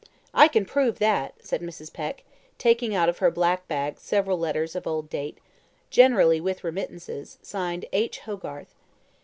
"I can prove that," said Mrs. Peck, taking out of her black bag several letters of old date, generally with remittances, signed "H. Hogarth."